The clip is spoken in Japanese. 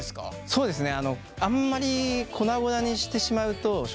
そうですね。